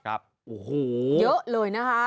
โอ้โหเยอะเลยนะคะ